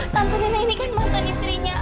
tante nena ini kan mantan istrinya